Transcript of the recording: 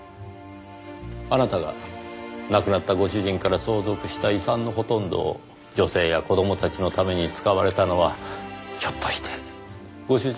あなたが亡くなったご主人から相続した遺産のほとんどを女性や子供たちのために使われたのはひょっとしてご主人への。